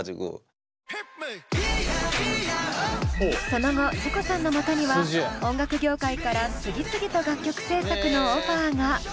その後ＺＩＣＯさんのもとには音楽業界から次々と楽曲制作のオファーが。